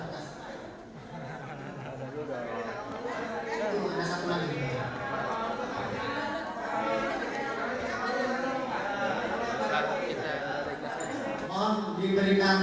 terima kasih atas dana miliaran yang bersidang